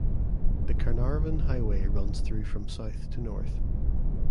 The Carnarvon Highway runs through from south to north.